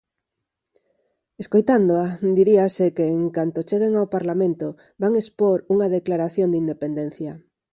Escoitándoa diríase que en canto cheguen ao Parlamento van expor unha declaración de independencia...